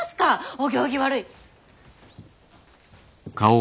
お行儀悪い。